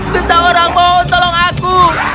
seseorang mohon tolong aku